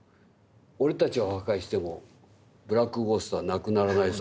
「俺たちを破壊してもブラック・ゴーストはなくならないぞ。